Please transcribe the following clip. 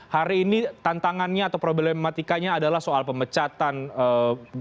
hari ini tantangannya atau problematikanya adalah soal pemecatan senjata